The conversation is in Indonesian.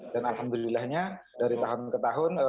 dan alhamdulillahnya dari tahun ke tahun